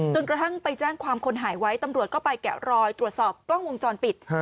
กระทั่งไปแจ้งความคนหายไว้ตำรวจก็ไปแกะรอยตรวจสอบกล้องวงจรปิด